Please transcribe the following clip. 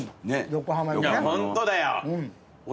ホントだよ。